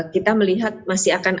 kita melihat masih akan